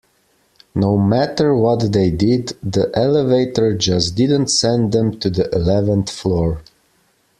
No matter what they did, the elevator just didn't send them to the eleventh floor.